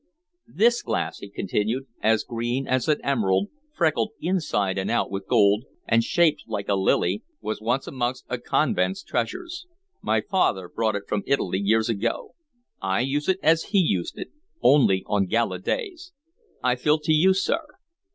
"This glass," he continued, "as green as an emerald, freckled inside and out with gold, and shaped like a lily, was once amongst a convent's treasures. My father brought it from Italy, years ago. I use it as he used it, only on gala days. I fill to you, sir."